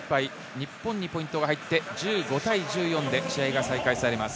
日本にポイントが入って１５対１４で試合が再開されます。